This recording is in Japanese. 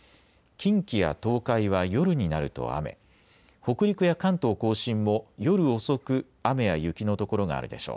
近畿や東海は夜になると雨、北陸や関東甲信も夜遅く雨や雪の所があるでしょう。